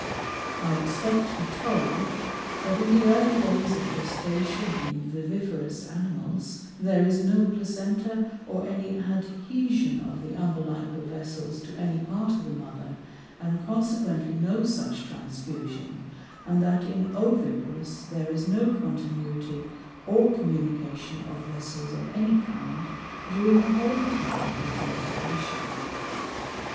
I expect to be told, that in the early Days of Gestation in Viviparous Animals, there is no Placenta, or any Adhesion of the Umbilical Vessels to any part of the Mother, and consequently no such Transfusion; and that in Oviparous there is no continuity, or communication of Vessels of any kind, during the whole time of Incubation.